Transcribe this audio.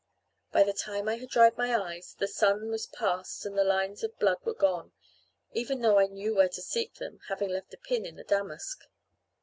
By the time I had dried my eyes the sun was passed and the lines of blood were gone, even though I knew where to seek them, having left a pin in the damask.